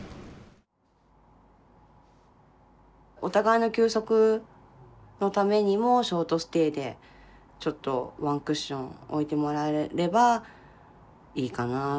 お互いの休息のためにもショートステイでちょっとワンクッション置いてもらえればいいかなっていう感じですかね